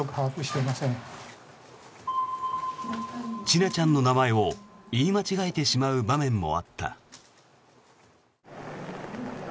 千奈ちゃんの名前を言い間違えてしまう場面もあった。